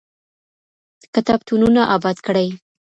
کتابتونونه آباد کړئ.